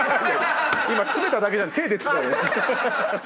今詰めただけじゃなくて手出てた。